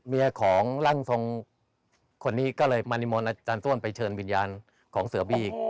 เมียของร่างทรงคนนี้ก็เลยมานิมนต์อาจารย์ต้วนไปเชิญวิญญาณของเสือบี้